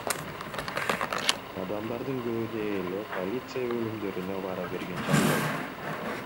Адамдардын көбүнө эле полиция бөлүмдөрүнө бара берген жакпайт.